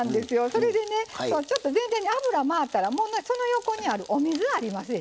それでねちょっと全体に油が回ったらその横にあるお水ありますでしょ